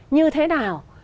như thế nào